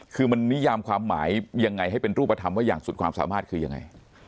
คือมันนิยามความหมายยังไงให้เป็นรูปธรรมว่าอย่างสุดความสามารถคือยังไง